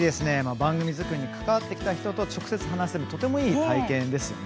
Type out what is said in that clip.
番組作りに関わってきた人と直接話すことはとてもいい体験ですよね。